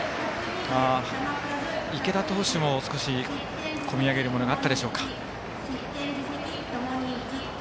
池田投手も少し込み上げるものがあったでしょうか。